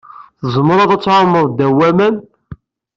Tzemreḍ ad tɛummeḍ ddaw waman?